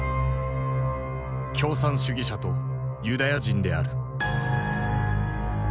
共産主義者とユダヤ人である。